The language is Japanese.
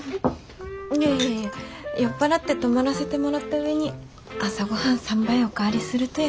いえいえいえ酔っ払って泊まらせてもらった上に朝ごはん３杯お代わりするとやちょっと。